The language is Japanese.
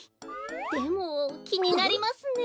でもきになりますね。